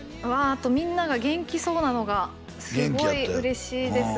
あとみんなが元気そうなのがすごい嬉しいです